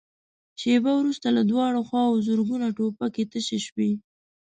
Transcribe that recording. شېبه وروسته له دواړو خواوو زرګونه ټوپکې تشې شوې.